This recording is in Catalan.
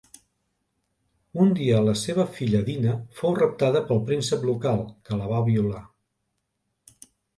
Un dia la seva filla Dina fou raptada pel príncep local, que la va violar.